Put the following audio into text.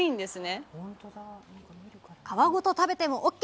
皮ごと食べてもＯＫ。